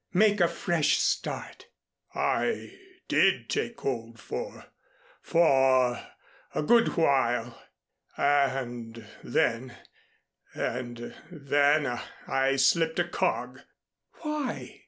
Make a fresh start." "I did take hold for for a good while and then and then I slipped a cog " "Why?